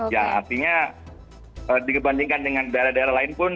ya artinya dibandingkan dengan daerah daerah lain pun